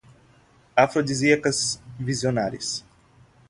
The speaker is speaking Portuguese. afrodisíacas, visionárias